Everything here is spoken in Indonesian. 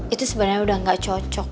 itu sebenarnya udah gak cocok